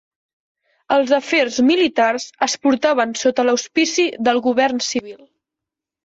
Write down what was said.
Els afers militars es portaven sota l'auspici del govern civil.